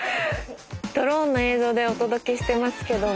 ドローンの映像でお届けしてますけども。